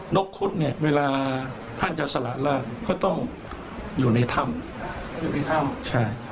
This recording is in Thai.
นกพรุธเนี่ยเวลาท่านจะสละลากก็ต้องอยู่ในถ้ำ